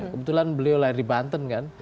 kebetulan beliau lahir di banten kan